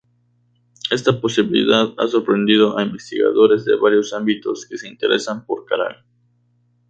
Esta posibilidad ha sorprendido a investigadores de varios ámbitos que se interesaron por Caral.